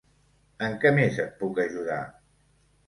En què més et puc ajudar?